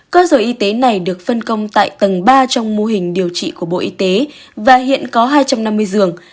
cơ sở y tế này được phân công tại tầng ba trong mô hình điều trị của bộ y tế và hiện có hai trăm năm mươi giường